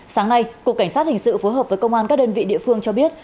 sáng nay cục cảnh sát hình sự phối hợp với công an các đơn vị địa phương cho biết